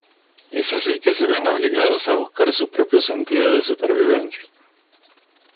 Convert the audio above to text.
Es así que se ven obligados a buscar su propio sentido de supervivencia.